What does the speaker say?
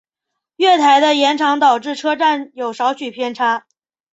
月台的延长导致车站有少许偏差。